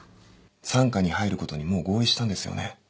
傘下に入ることにもう合意したんですよね